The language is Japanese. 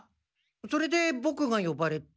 それでボクが呼ばれて。